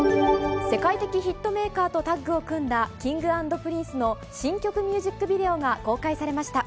世界的ヒットメーカーとタッグを組んだＫｉｎｇ＆Ｐｒｉｎｃｅの新曲ミュージックビデオが公開されました。